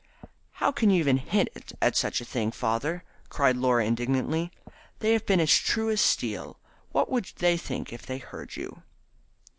"How can you even hint at such a thing, father?" cried Laura indignantly. "They have been as true as steel. What would they think if they heard you."